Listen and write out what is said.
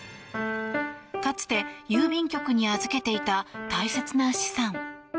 かつて、郵便局に預けていた大切な資産。